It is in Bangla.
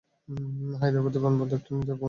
হায়দ্রাবাদ বিমানবন্দরে একটা নিয়ন্ত্রিত বোমা হামলা।